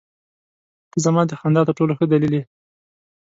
• ته زما د خندا تر ټولو ښه دلیل یې.